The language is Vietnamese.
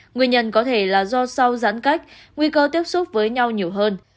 nguyên nhân có thể là do sau giãn cách nguy cơ tiếp xúc với nhau nhiều hơn